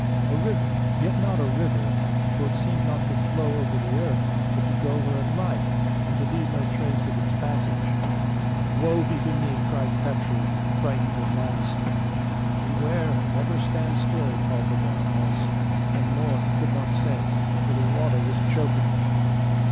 A river, yet not a river, for it seemed not to flow over the earth, but to go where it liked, and to leave no trace of its passage. 'Woe be to me!' cried Petru, frightened at last. 'Beware, and never stand still,' called the brown horse, and more he could not say, for the water was choking him.